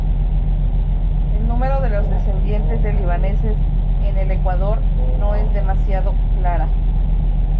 El número de los descendientes de libaneses en el Ecuador no es demasiado clara.